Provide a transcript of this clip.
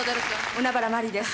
海原万里です。